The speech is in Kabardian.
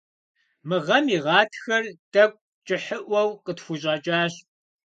Мы гъэм и гъатхэр тӀэкӀу кӀыхьыӀуэу къытхущӀэкӀащ.